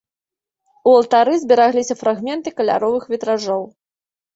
У алтары зберагліся фрагменты каляровых вітражоў.